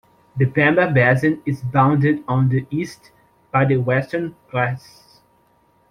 The Pamba basin is bounded on the east by the Western Ghats.